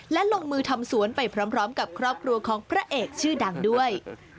และลงมือทำสวนไปพร้อมกับครอบครัวของพระเอกชื่อดังด้วย